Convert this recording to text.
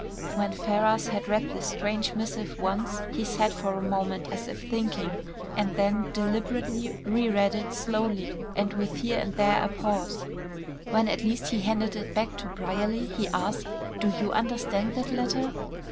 When Ferrars had read this strange missive once, he sat for a moment as if thinking, and then deliberately re read it slowly, and with here and there a pause; when at last he handed it back to Brierly, he asked: "Do you understand that letter?"